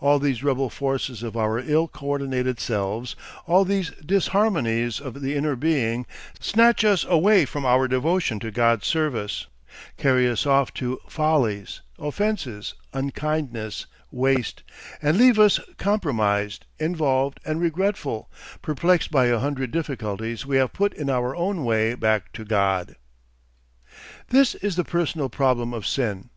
All these rebel forces of our ill coordinated selves, all these "disharmonies," of the inner being, snatch us away from our devotion to God's service, carry us off to follies, offences, unkindness, waste, and leave us compromised, involved, and regretful, perplexed by a hundred difficulties we have put in our own way back to God. This is the personal problem of Sin.